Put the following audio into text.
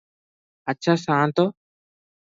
ଆଚ୍ଛା ସାନ୍ତ!